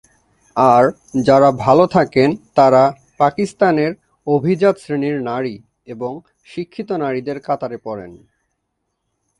আর যারা ভালো থাকেন তারা পাকিস্তানের অভিজাত শ্রেণীর নারী এবং শিক্ষিত নারীদের কাতারে পড়েন।